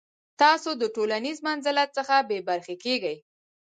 تاسو د ټولنیز منزلت څخه بې برخې کیږئ.